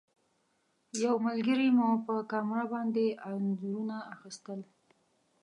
یو ملګري مو په کامره باندې انځورونه اخیستل.